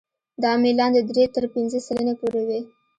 دا میلان د درې تر پنځه سلنې پورې وي